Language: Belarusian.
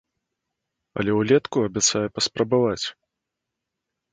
Але ўлетку абяцае паспрабаваць.